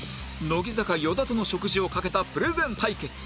乃木坂与田との食事をかけたプレゼン対決